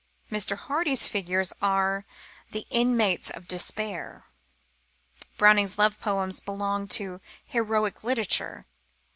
Mr. Hardy's figures are the inmates of despair. Browning's love poems belong to heroic literature.